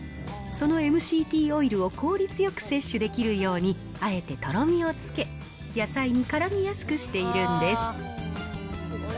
そのＭＣＴオイルを効率よく摂取できるように、あえてとろみをつけ、野菜にからみやすくしているんです。